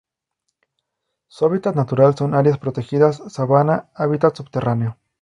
Su hábitat natural son: área protegidas, sabana, hábitat subterráneo.